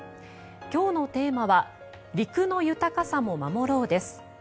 今日のテーマは「陸の豊かさも守ろう」です。